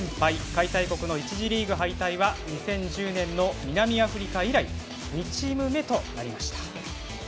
開催国の１次リーグ敗退は２０１０年の南アフリカ以来２チーム目となりました。